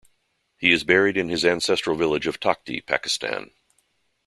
He is buried in his ancestral village of Takhti, Pakistan.